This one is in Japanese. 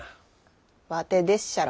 ワテでっしゃろ。